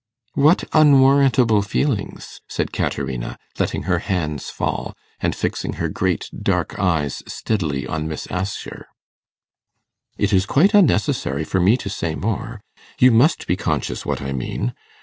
'What unwarrantable feelings?' said Caterina, letting her hands fall, and fixing her great dark eyes steadily on Miss Assher. 'It is quite unnecessary for me to say more. You must be conscious what I mean.